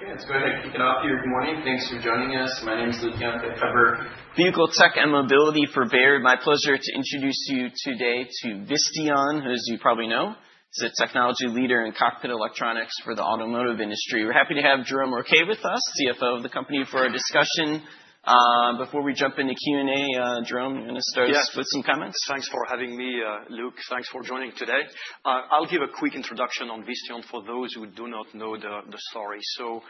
Okay, let's go ahead and kick it off here. Good morning. Thanks for joining us. My name is Luke Junk. I cover Vehicle Tech and Mobility for Baird. It's my pleasure to introduce you today to Visteon, as you probably know, as a technology leader in cockpit electronics for the automotive industry. We're happy to have Jerome Rouquet with us, CFO of the company, for our discussion. Before we jump into Q&A, Jerome, you want to start with some comments? Yes, thanks for having me, Luke. Thanks for joining today. I'll give a quick introduction on Visteon for those who do not know the story. So,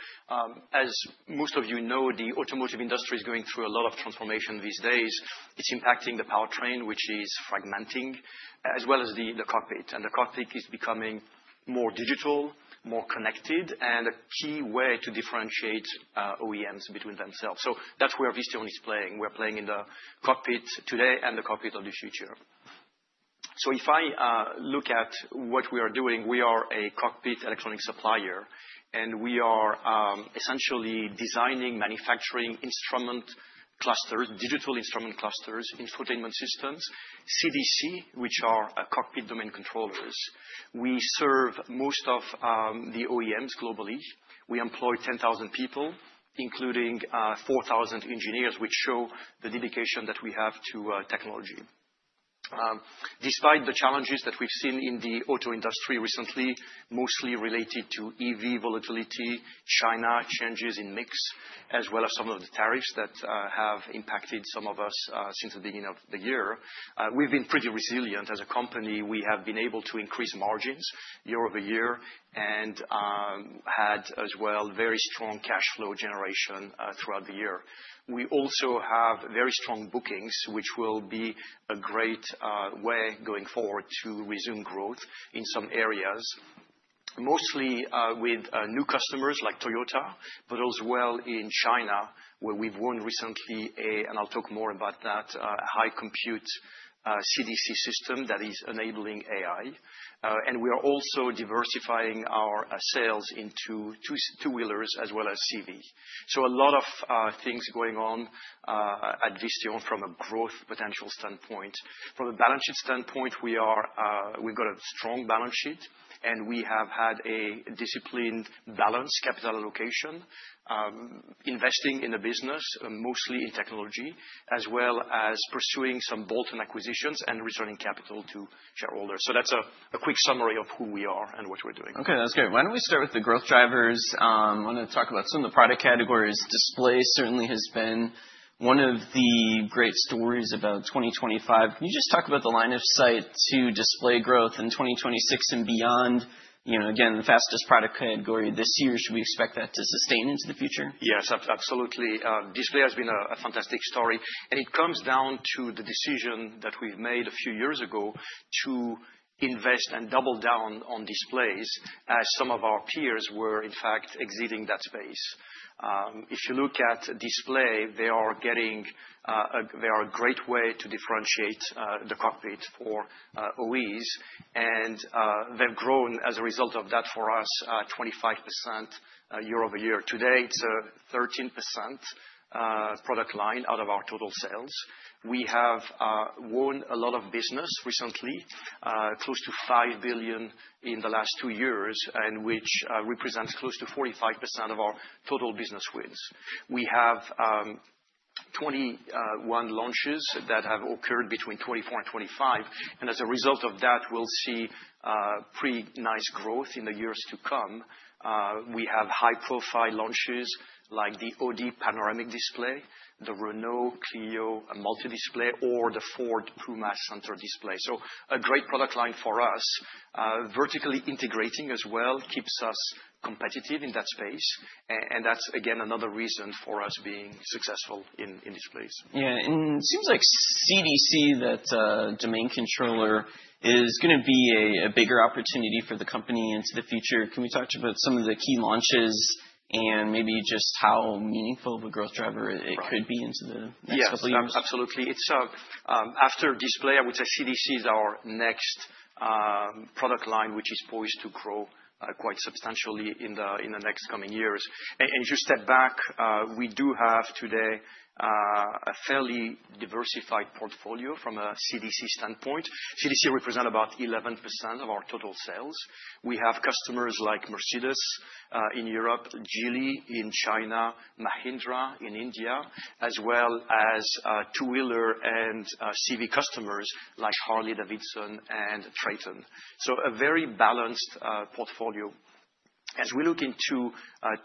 as most of you know, the automotive industry is going through a lot of transformation these days. It's impacting the powertrain, which is fragmenting, as well as the cockpit. The cockpit is becoming more digital, more connected, and a key way to differentiate OEMs between themselves. So that's where Visteon is playing. We're playing in the cockpit today and the cockpit of the future. So if I look at what we are doing, we are a cockpit electronics supplier, and we are essentially designing, manufacturing instrument clusters, digital instrument clusters, infotainment systems, CDC, which are cockpit domain controllers. We serve most of the OEMs globally. We employ 10,000 people, including 4,000 engineers, which shows the dedication that we have to technology. Despite the challenges that we've seen in the auto industry recently, mostly related to EV volatility, China changes in mix, as well as some of the tariffs that have impacted some of us since the beginning of the year, we've been pretty resilient. As a company, we have been able to increase margins year-over-year and had, as well, very strong cash flow generation throughout the year. We also have very strong bookings, which will be a great way going forward to resume growth in some areas, mostly with new customers like Toyota, but as well in China, where we've won recently a, and I'll talk more about that, high-compute CDC system that is enabling AI. We are also diversifying our sales into two-wheelers as well as CV. So a lot of things going on at Visteon from a growth potential standpoint. From a balance sheet standpoint, we've got a strong balance sheet, and we have had a disciplined balanced capital allocation, investing in the business, mostly in technology, as well as pursuing some bolt-on acquisitions and returning capital to shareholders. That's a quick summary of who we are and what we're doing. Okay, that's great. Why don't we start with the growth drivers? I want to talk about some of the product categories. Display certainly has been one of the great stories about 2025. Can you just talk about the line of sight to display growth in 2026 and beyond? Again, the fastest product category this year. Should we expect that to sustain into the future? Yes, absolutely. Display has been a fantastic story. And it comes down to the decision that we've made a few years ago to invest and double down on displays as some of our peers were, in fact, exiting that space. If you look at display, they are a great way to differentiate the cockpit for OEs. And they've grown as a result of that for us 25% year-over-year. Today, it's a 13% product line out of our total sales. We have won a lot of business recently, close to $5 billion in the last two years, which represents close to 45% of our total business wins. We have 21 launches that have occurred between 2024 and 2025. And as a result of that, we'll see pretty nice growth in the years to come. We have high-profile launches like the OLED panoramic display, the Renault Clio multi-display, or the Ford Puma center display. So a great product line for us, vertically integrating as well, keeps us competitive in that space. And that's, again, another reason for us being successful in these places. Yeah, and it seems like CDC, that domain controller, is going to be a bigger opportunity for the company into the future. Can we talk to you about some of the key launches and maybe just how meaningful of a growth driver it could be into the next couple of years? Yes, absolutely. After display, I would say CDC is our next product line, which is poised to grow quite substantially in the next coming years. And if you step back, we do have today a fairly diversified portfolio from a CDC standpoint. CDC represents about 11% of our total sales. We have customers like Mercedes in Europe, Geely in China, Mahindra in India, as well as two-wheeler and CV customers like Harley-Davidson and Triton. So a very balanced portfolio. As we look into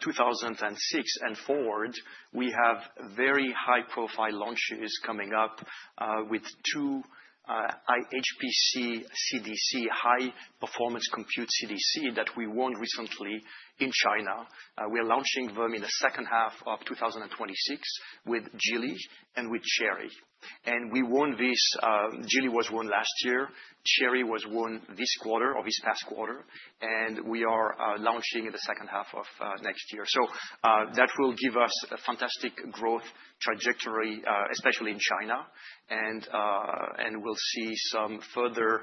2026 and forward, we have very high-profile launches coming up with two HPC CDC, high-performance compute CDC that we won recently in China. We are launching them in the second half of 2026 with Geely and with Chery. And we won this Geely was won last year. Chery was won this quarter of this past quarter. And we are launching in the second half of next year. So that will give us a fantastic growth trajectory, especially in China. And we'll see some further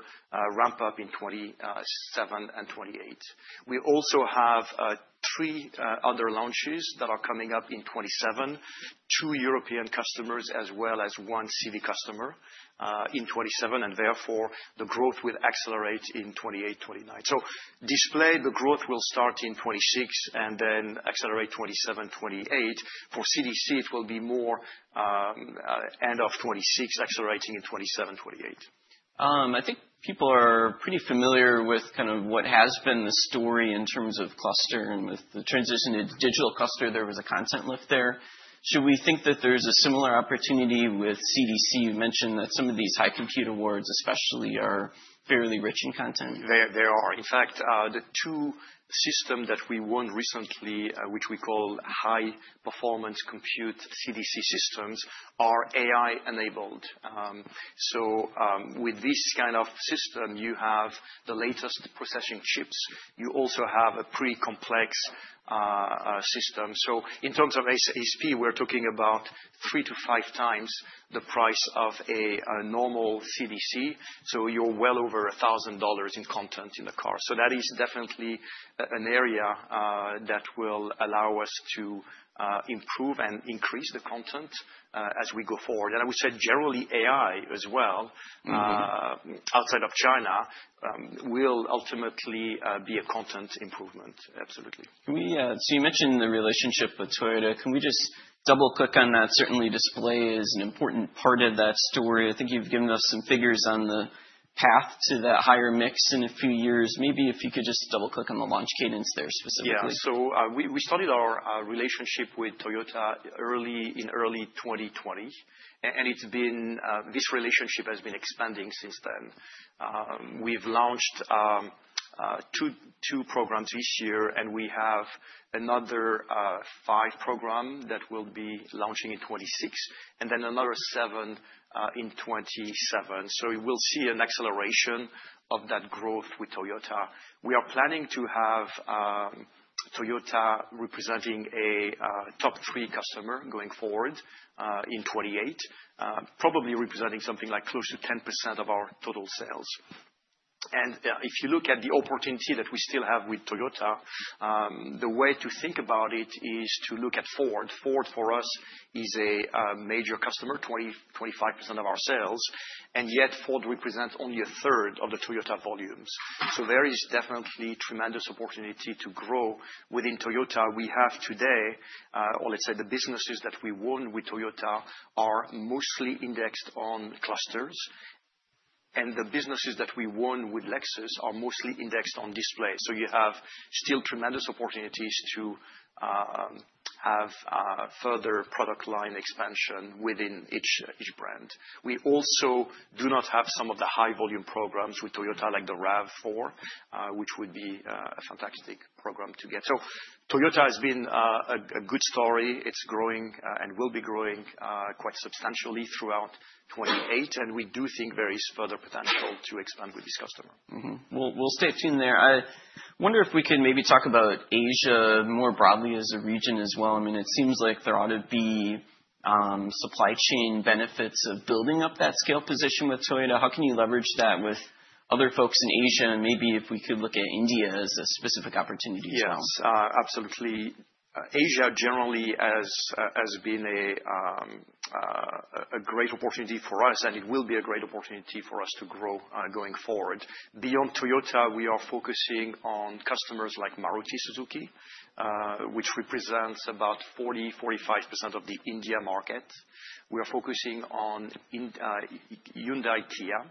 ramp-up in 2027 and 2028. We also have three other launches that are coming up in 2027, two European customers as well as one CV customer in 2027. And therefore, the growth will accelerate in 2028, 2029. So display, the growth will start in 2026 and then accelerate 2027, 2028. For CDC, it will be more end of 2026, accelerating in 2027, 2028. I think people are pretty familiar with kind of what has been the story in terms of cluster and with the transition to digital cluster. There was a content lift there. Should we think that there's a similar opportunity with CDC? You mentioned that some of these high-compute awards, especially, are fairly rich in content. They are. In fact, the two systems that we won recently, which we call High-Performance Compute CDC systems, are AI-enabled. So with this kind of system, you have the latest processing chips. You also have a pretty complex system. So in terms of HPC, we're talking about three to 5x the price of a normal CDC. So you're well over $1,000 in content in the car. So that is definitely an area that will allow us to improve and increase the content as we go forward. And I would say generally AI as well, outside of China, will ultimately be a content improvement, absolutely. So you mentioned the relationship with Toyota. Can we just double-click on that? Certainly, display is an important part of that story. I think you've given us some figures on the path to that higher mix in a few years. Maybe if you could just double-click on the launch cadence there specifically. Yeah, so we started our relationship with Toyota in early 2020. And this relationship has been expanding since then. We've launched two programs this year, and we have another five programs that will be launching in 2026, and then another seven in 2027. So we'll see an acceleration of that growth with Toyota. We are planning to have Toyota representing a top three customer going forward in 2028, probably representing something like close to 10% of our total sales. And if you look at the opportunity that we still have with Toyota, the way to think about it is to look at Ford. Ford, for us, is a major customer, 25% of our sales. And yet Ford represents only a third of the Toyota volumes. So there is definitely tremendous opportunity to grow within Toyota. We have today, or let's say the businesses that we won with Toyota are mostly indexed on clusters, and the businesses that we won with Lexus are mostly indexed on display, so you have still tremendous opportunities to have further product line expansion within each brand. We also do not have some of the high-volume programs with Toyota, like the RAV4, which would be a fantastic program to get, so Toyota has been a good story. It's growing and will be growing quite substantially throughout 2028, and we do think there is further potential to expand with this customer. We'll stay tuned there. I wonder if we could maybe talk about Asia more broadly as a region as well. I mean, it seems like there ought to be supply chain benefits of building up that scale position with Toyota. How can you leverage that with other folks in Asia, and maybe if we could look at India as a specific opportunity as well? Yes, absolutely. Asia generally has been a great opportunity for us, and it will be a great opportunity for us to grow going forward. Beyond Toyota, we are focusing on customers like Maruti Suzuki, which represents about 40%-45% of the India market. We are focusing on Hyundai Kia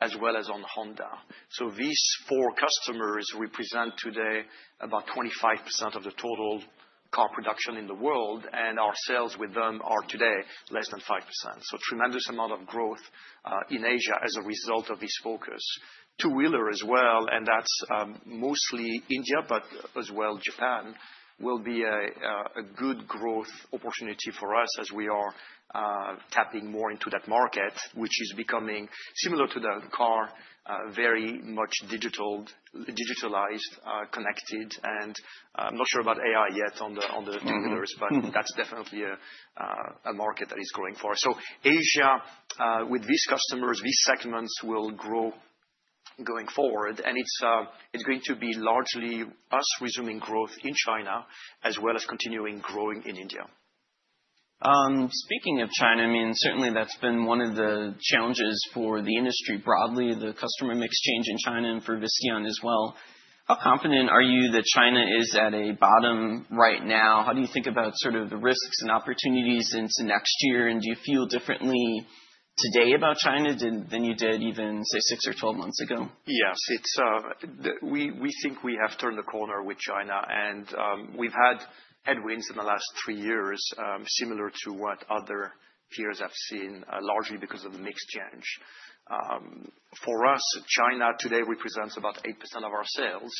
as well as on Honda. So these four customers represent today about 25% of the total car production in the world. And our sales with them are today less than 5%. So a tremendous amount of growth in Asia as a result of this focus. Two-wheeler as well, and that's mostly India, but as well Japan, will be a good growth opportunity for us as we are tapping more into that market, which is becoming similar to the car, very much digitalized, connected. I'm not sure about AI yet on the two-wheelers, but that's definitely a market that is growing for us. Asia with these customers, these segments will grow going forward. It's going to be largely us resuming growth in China as well as continuing growing in India. Speaking of China, I mean, certainly that's been one of the challenges for the industry broadly, the customer mix change in China and for Visteon as well. How confident are you that China is at a bottom right now? How do you think about sort of the risks and opportunities into next year? And do you feel differently today about China than you did even, say, six or 12 months ago? Yes, we think we have turned the corner with China. We've had headwinds in the last three years similar to what other peers have seen, largely because of the mix change. For us, China today represents about 8% of our sales.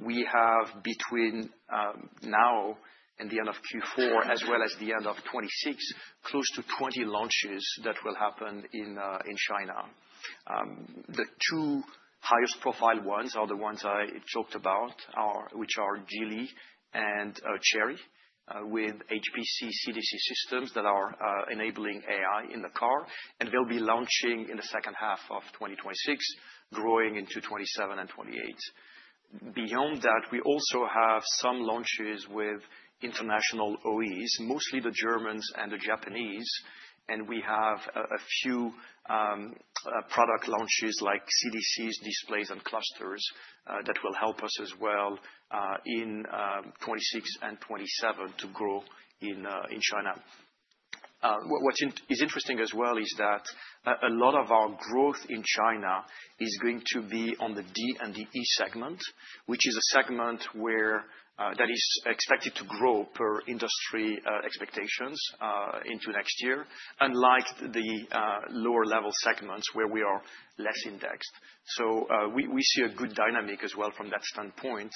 We have between now and the end of Q4 as well as the end of 2026, close to 20 launches that will happen in China. The two highest profile ones are the ones I talked about, which are Geely and Chery, with HPC CDC systems that are enabling AI in the car. They'll be launching in the second half of 2026, growing into 2027 and 2028. Beyond that, we also have some launches with international OEs, mostly the Germans and the Japanese. We have a few product launches like CDCs, displays, and clusters that will help us as well in 2026 and 2027 to grow in China. What is interesting as well is that a lot of our growth in China is going to be on the D and the E segment, which is a segment that is expected to grow per industry expectations into next year, unlike the lower-level segments where we are less indexed. We see a good dynamic as well from that standpoint.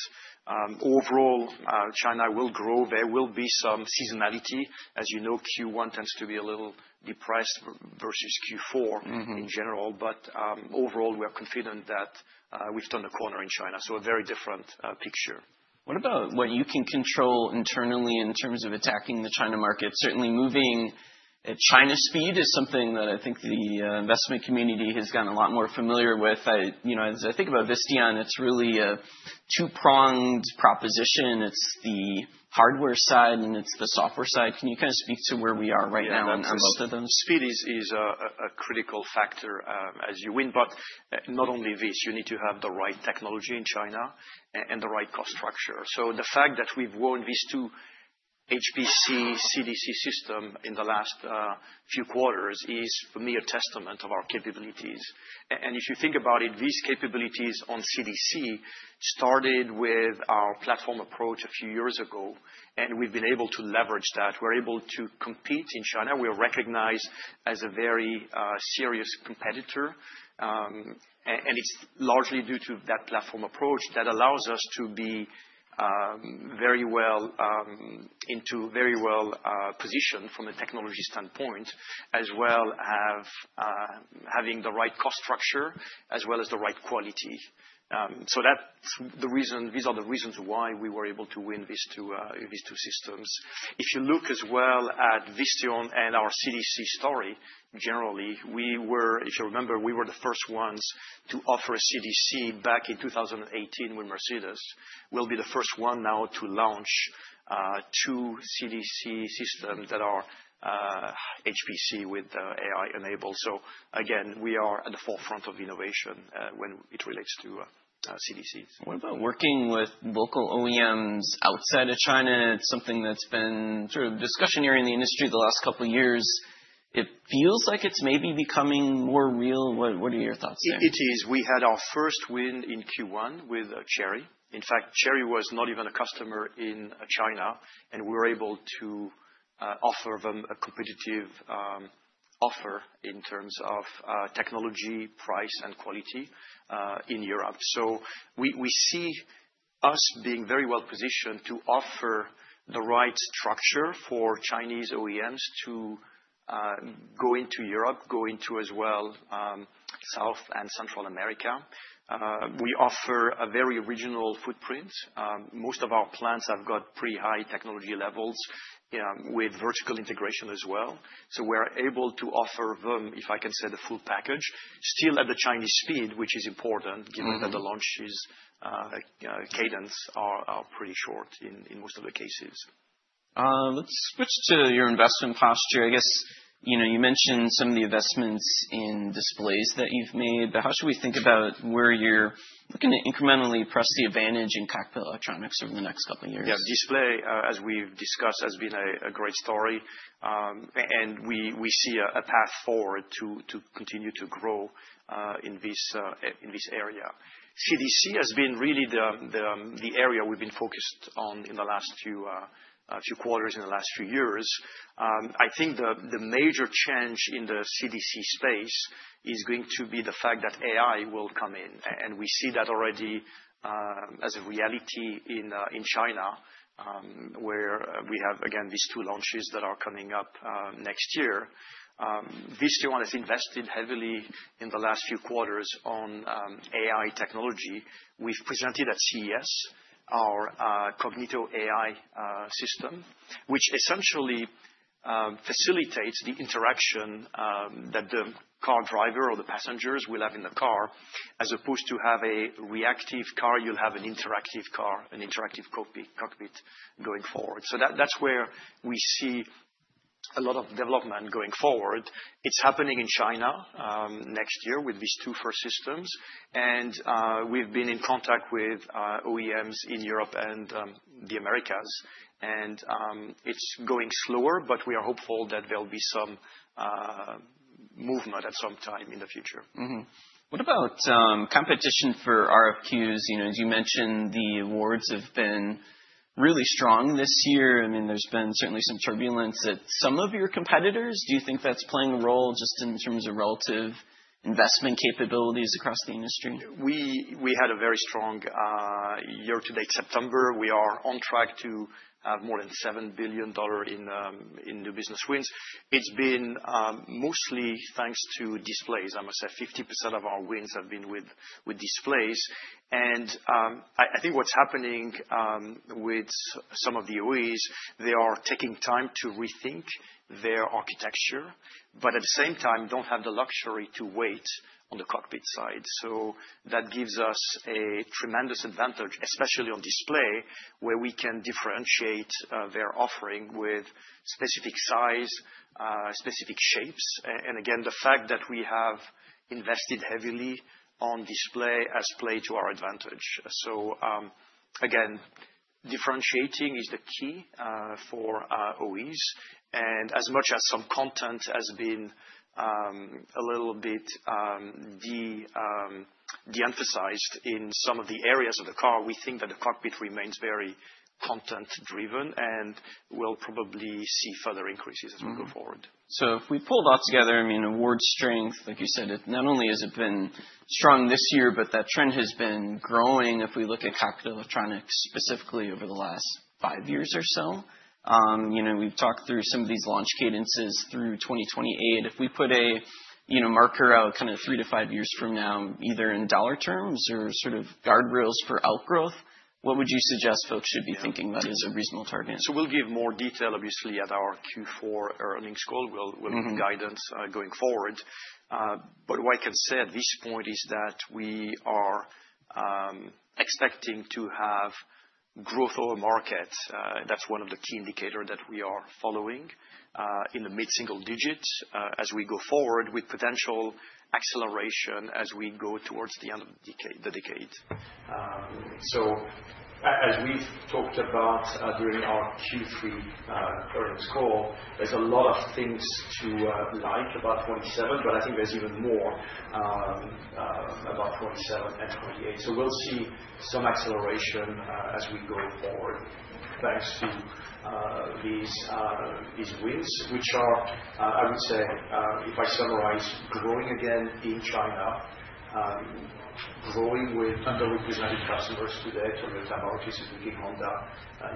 Overall, China will grow. There will be some seasonality. As you know, Q1 tends to be a little depressed versus Q4 in general. Overall, we are confident that we've turned the corner in China. A very different picture. What about what you can control internally in terms of attacking the China market? Certainly, moving at China speed is something that I think the investment community has gotten a lot more familiar with. As I think about Visteon, it's really a two-pronged proposition. It's the hardware side and it's the software side. Can you kind of speak to where we are right now on both of them? Speed is a critical factor as you win, but not only this. You need to have the right technology in China and the right cost structure, so the fact that we've won these two HPC CDC systems in the last few quarters is, for me, a testament of our capabilities. And if you think about it, these capabilities on CDC started with our platform approach a few years ago, and we've been able to leverage that. We're able to compete in China. We are recognized as a very serious competitor, and it's largely due to that platform approach that allows us to be very well positioned from a technology standpoint, as well as having the right cost structure as well as the right quality, so these are the reasons why we were able to win these two systems. If you look as well at Visteon and our CDC story, generally, if you remember, we were the first ones to offer a CDC back in 2018 with Mercedes. We'll be the first one now to launch two CDC systems that are HPC with AI-enabled. So again, we are at the forefront of innovation when it relates to CDCs. What about working with local OEMs outside of China? It's something that's been sort of discussed in the industry the last couple of years. It feels like it's maybe becoming more real. What are your thoughts there? It is. We had our first win in Q1 with Chery. In fact, Chery was not even a customer in China, and we were able to offer them a competitive offer in terms of technology, price, and quality in Europe. We see us being very well positioned to offer the right structure for Chinese OEMs to go into Europe, go into as well South and Central America. We offer a very regional footprint. Most of our plants have got pretty high technology levels with vertical integration as well. We're able to offer them, if I can say, the full package, still at the Chinese speed, which is important given that the launch cadence are pretty short in most of the cases. Let's switch to your investment posture. I guess you mentioned some of the investments in displays that you've made. But how should we think about where you're looking to incrementally press the advantage in cockpit electronics over the next couple of years? Yeah, display, as we've discussed, has been a great story, and we see a path forward to continue to grow in this area. CDC has been really the area we've been focused on in the last few quarters, in the last few years. I think the major change in the CDC space is going to be the fact that AI will come in, and we see that already as a reality in China, where we have, again, these two launches that are coming up next year. Visteon has invested heavily in the last few quarters on AI technology. We've presented at CES our Cognito AI system, which essentially facilitates the interaction that the car driver or the passengers will have in the car, as opposed to have a reactive car. You'll have an interactive car, an interactive cockpit going forward. So that's where we see a lot of development going forward. It's happening in China next year with these two first systems. And we've been in contact with OEMs in Europe and the Americas. And it's going slower, but we are hopeful that there'll be some movement at some time in the future. What about competition for RFQs? As you mentioned, the awards have been really strong this year. I mean, there's been certainly some turbulence at some of your competitors. Do you think that's playing a role just in terms of relative investment capabilities across the industry? We had a very strong year-to-date September. We are on track to have more than $7 billion in new business wins. It's been mostly thanks to displays. I must say 50% of our wins have been with displays. And I think what's happening with some of the OEs, they are taking time to rethink their architecture, but at the same time, don't have the luxury to wait on the cockpit side. So that gives us a tremendous advantage, especially on display, where we can differentiate their offering with specific size, specific shapes. And again, the fact that we have invested heavily on display has played to our advantage. So again, differentiating is the key for OEs. As much as some content has been a little bit de-emphasized in some of the areas of the car, we think that the cockpit remains very content-driven and will probably see further increases as we go forward. So if we pull that together, I mean, award strength, like you said, not only has it been strong this year, but that trend has been growing if we look at cockpit electronics specifically over the last five years or so. We've talked through some of these launch cadences through 2028. If we put a marker out kind of three to five years from now, either in dollar terms or sort of guardrails for outgrowth, what would you suggest folks should be thinking about as a reasonable target? So we'll give more detail, obviously, at our Q4 earnings call. We'll give guidance going forward. But what I can say at this point is that we are expecting to have growth over market. That's one of the key indicators that we are following in the mid-single digits as we go forward with potential acceleration as we go towards the end of the decade. So as we've talked about during our Q3 earnings call, there's a lot of things to like about 2027, but I think there's even more about 2027 and 2028. So we'll see some acceleration as we go forward thanks to these wins, which are, I would say, if I summarize, growing again in China, growing with underrepresented customers today, Toyota, Maruti Suzuki, Honda,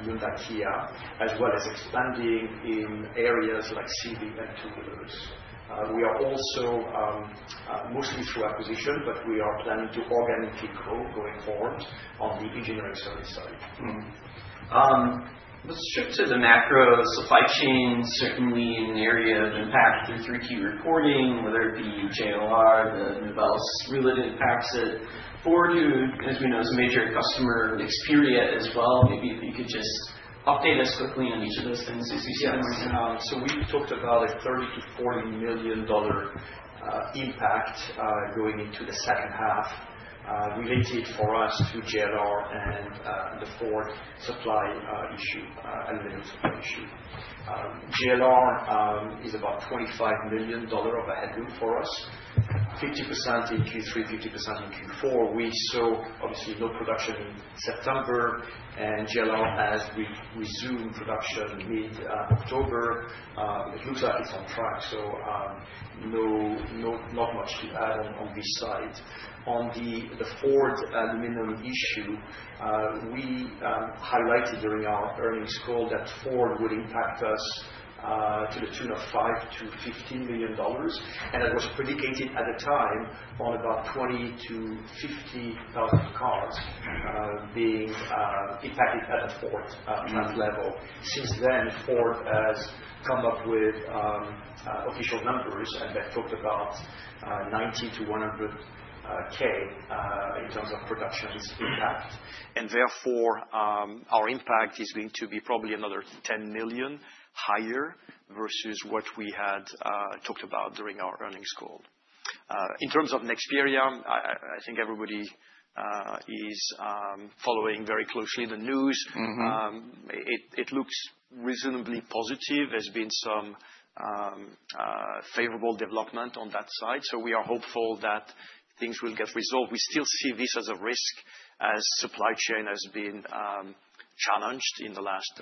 Hyundai, Kia, as well as expanding in areas like CV and two-wheelers. We are also mostly through acquisition, but we are planning to organically grow going forward on the engineering service side. Let's shift to the macro supply chain, certainly an area of impact through 3Q reporting, whether it be JLR, the Novelis raw material impacts it, Ford too, as we know, some major customer, XPeng as well. Maybe if you could just update us quickly on each of those things as you see them right now. We've talked about a $30 million-$40 million impact going into the second half related for us to JLR and the Ford supply issue and limited supply issue. JLR is about $25 million of a headwind for us, 50% in Q3, 50% in Q4. We saw obviously no production in September. And JLR has resumed production mid-October. It looks like it's on track. So not much to add on this side. On the Ford aluminum issue, we highlighted during our earnings call that Ford would impact us to the tune of $5 million-$15 million. And it was predicated at the time on about 20-50,000 cars being impacted at the Ford plant level. Since then, Ford has come up with official numbers and they've talked about 90-100,000 in terms of production impact. And therefore, our impact is going to be probably another $10 million higher versus what we had talked about during our earnings call. In terms of Nexperia, I think everybody is following very closely the news. It looks reasonably positive. There has been some favorable development on that side. So we are hopeful that things will get resolved. We still see this as a risk as supply chain has been challenged in the last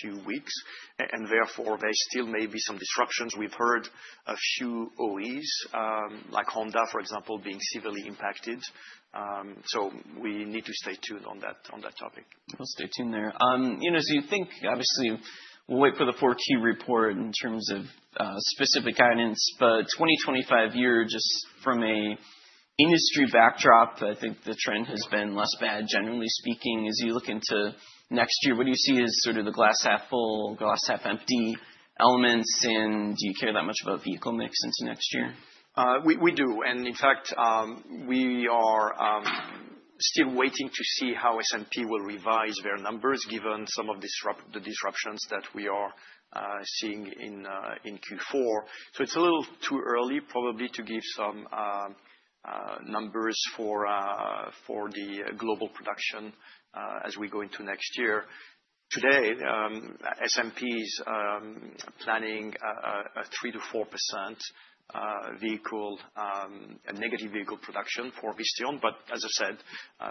few weeks. And therefore, there still may be some disruptions. We have heard a few OEs like Honda, for example, being severely impacted. So we need to stay tuned on that topic. We'll stay tuned there. So you think, obviously, we'll wait for the 4Q report in terms of specific guidance. But 2025 year, just from an industry backdrop, I think the trend has been less bad, generally speaking. As you look into next year, what do you see as sort of the glass half full, glass half empty elements? And do you care that much about vehicle mix into next year? We do. And in fact, we are still waiting to see how S&P will revise their numbers given some of the disruptions that we are seeing in Q4. So it's a little too early probably to give some numbers for the global production as we go into next year. Today, S&P is planning a -3% to -4% vehicle production for Visteon. But as I said,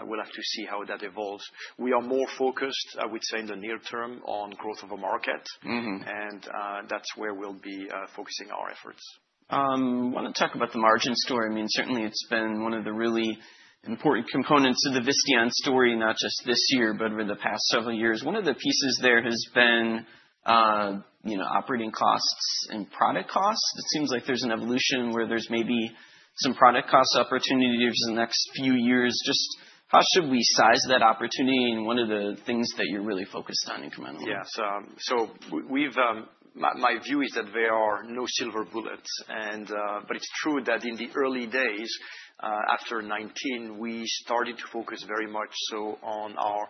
we'll have to see how that evolves. We are more focused, I would say, in the near term on growth of a market. And that's where we'll be focusing our efforts. I want to talk about the margin story. I mean, certainly, it's been one of the really important components of the Visteon story, not just this year, but over the past several years. One of the pieces there has been operating costs and product costs. It seems like there's an evolution where there's maybe some product cost opportunities in the next few years. Just how should we size that opportunity? It's one of the things that you're really focused on incrementally? Yeah. So my view is that there are no silver bullets. But it's true that in the early days, after 2019, we started to focus very much so on our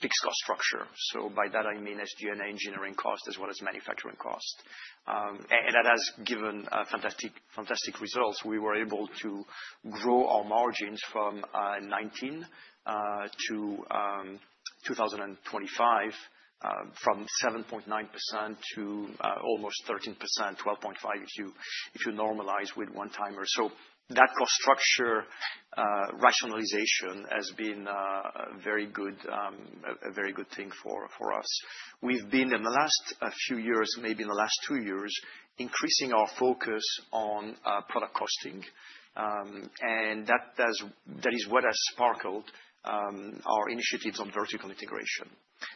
fixed cost structure. So by that, I mean SG&A engineering cost as well as manufacturing cost. And that has given fantastic results. We were able to grow our margins from 2019-2025 from 7.9% to almost 13%, 12.5% if you normalize with one-timer. So that cost structure rationalization has been a very good thing for us. We've been, in the last few years, maybe in the last two years, increasing our focus on product costing. And that is what has sparked our initiatives on vertical integration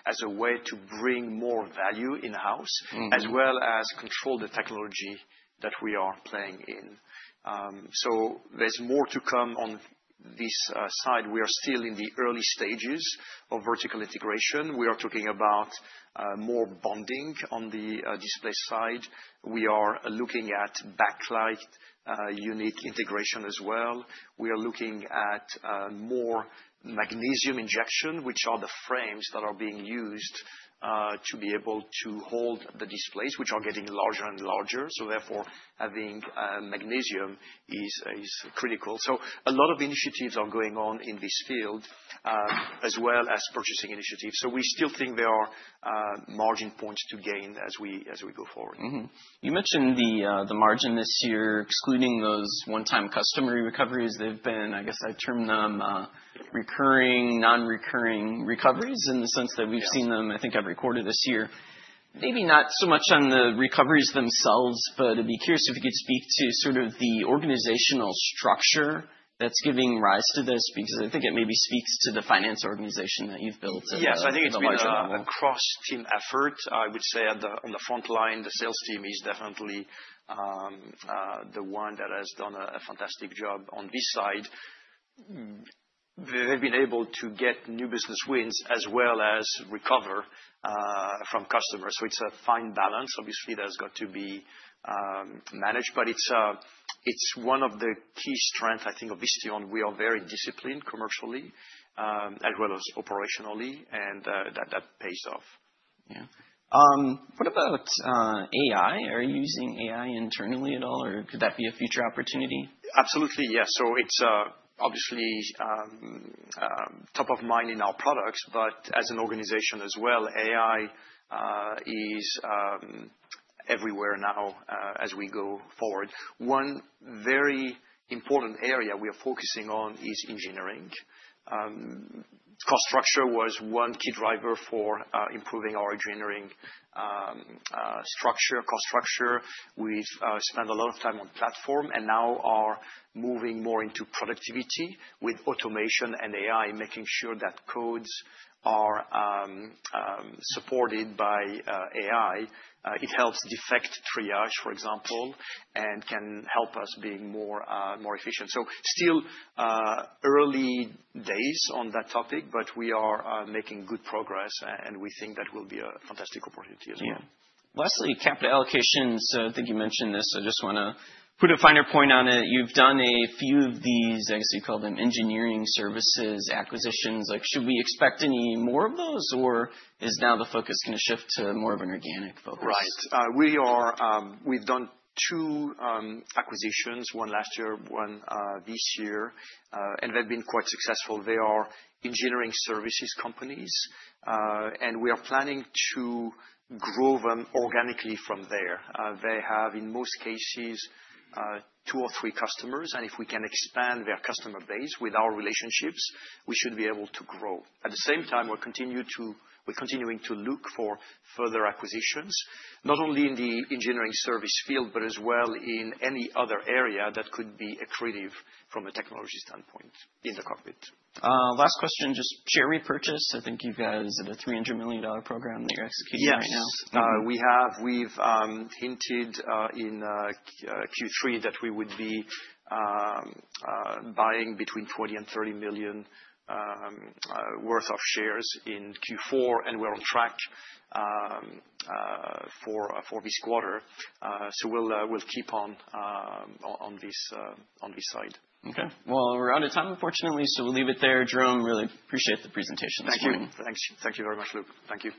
as a way to bring more value in-house, as well as control the technology that we are playing in. So there's more to come on this side. We are still in the early stages of vertical integration. We are talking about more bonding on the display side. We are looking at backlight unit integration as well. We are looking at more magnesium injection, which are the frames that are being used to be able to hold the displays, which are getting larger and larger, so therefore having magnesium is critical, so a lot of initiatives are going on in this field, as well as purchasing initiatives, so we still think there are margin points to gain as we go forward. You mentioned the margin this year, excluding those one-time customer recoveries. They've been, I guess I term them, recurring, non-recurring recoveries in the sense that we've seen them, I think, every quarter this year. Maybe not so much on the recoveries themselves, but I'd be curious if you could speak to sort of the organizational structure that's giving rise to this, because I think it maybe speaks to the finance organization that you've built at the moment. Yes, I think it's a large across-team effort. I would say on the front line, the sales team is definitely the one that has done a fantastic job on this side. They've been able to get new business wins as well as recover from customers. So it's a fine balance. Obviously, that's got to be managed. But it's one of the key strengths, I think, of Visteon. We are very disciplined commercially as well as operationally, and that pays off. Yeah. What about AI? Are you using AI internally at all, or could that be a future opportunity? Absolutely, yes. So it's obviously top of mind in our products. But as an organization as well, AI is everywhere now as we go forward. One very important area we are focusing on is engineering. Cost structure was one key driver for improving our engineering structure, cost structure. We've spent a lot of time on platform and now are moving more into productivity with automation and AI, making sure that codes are supported by AI. It helps defect triage, for example, and can help us be more efficient. So still early days on that topic, but we are making good progress. And we think that will be a fantastic opportunity as well. Lastly, capital allocations. I think you mentioned this. I just want to put a finer point on it. You've done a few of these, I guess you'd call them engineering services acquisitions. Should we expect any more of those, or is now the focus going to shift to more of an organic focus? Right. We've done two acquisitions, one last year, one this year. And they've been quite successful. They are engineering services companies. And we are planning to grow them organically from there. They have, in most cases, two or three customers. And if we can expand their customer base with our relationships, we should be able to grow. At the same time, we're continuing to look for further acquisitions, not only in the engineering service field, but as well in any other area that could be accretive from a technology standpoint in the cockpit. Last question, just share repurchase. I think you guys had a $300 million program that you're executing right now. Yes. We've hinted in Q3 that we would be buying between $20 million and $30 million worth of shares in Q4. And we're on track for this quarter. So we'll keep on this side. OK. Well, we're out of time, unfortunately. So we'll leave it there. Jerome, really appreciate the presentation. Thank you. Thank you very much, Luke. Thank you.